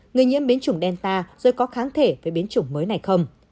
người nhiễm biến chủng delta rồi có kháng thể với biến chủng mới này không